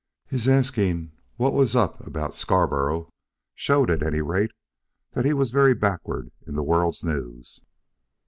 His asking what was up about Scarborough showed, at any rate, that he was very backward in the world's news.